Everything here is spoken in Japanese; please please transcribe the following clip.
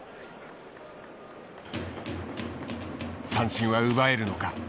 三振は奪えるのか。